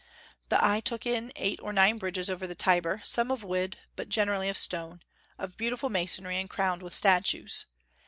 The eye took in eight or nine bridges over the Tiber, some of wood, but generally of stone, of beautiful masonry, and crowned with statues.